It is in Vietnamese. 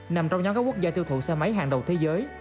nằm trong nhóm các quốc gia tiêu thụ xe máy hàng đầu thế giới